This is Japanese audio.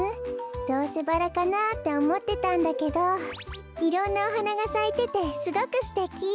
どうせバラかなっておもってたんだけどいろんなおはながさいててすごくすてき！